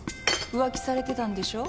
浮気されてたんでしょう？